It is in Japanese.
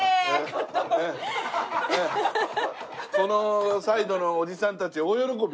そのサイドのおじさんたち大喜び！